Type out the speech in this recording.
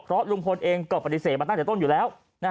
เพราะลุงพลเองก็ปฏิเสธมาตั้งแต่ต้นอยู่แล้ว